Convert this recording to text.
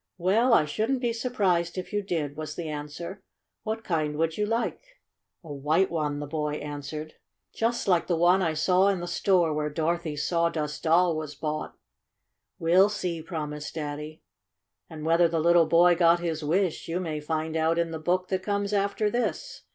"Well, I shouldn't b'e surprised if you did, '' was the answer. 6 6 What kind would you like?" '' A white one, '' the boy answered. 4 ' J ust 120 STORY OP A SAWDUST DOLL like the one I saw in the store where Doro thy's Sawdust Doll was bought." "We'll see," promised Daddy. And whether the little boy got his wish you may find out in the book that comes after this.